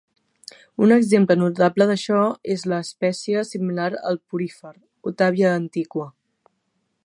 Un exemple notable d'això és la espècia similar al porífer "Otavia antiqua".